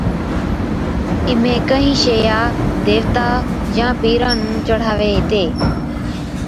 ايمھين ڪهِين شئِيا ديوتان يا پِيران نُون چڙھاوي ھِتي